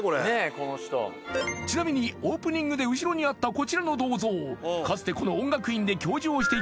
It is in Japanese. この人ちなみにオープニングで後ろにあったこちらの銅像